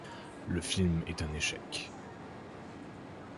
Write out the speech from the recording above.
Le film est un échec.